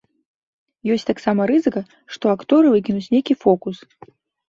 Ёсць таксама рызыка, што акторы выкінуць нейкі фокус.